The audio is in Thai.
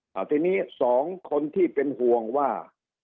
เอาทีนี้สองคนที่เป็นห่วงว่า